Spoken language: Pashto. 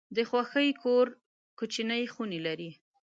د خوښۍ کور کوچني خونې لري.